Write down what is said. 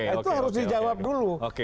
itu harus dijawab dulu